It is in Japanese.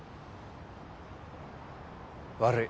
悪い。